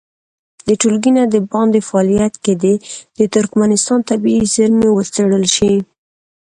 د ټولګي نه د باندې فعالیت کې دې د ترکمنستان طبیعي زېرمې وڅېړل شي.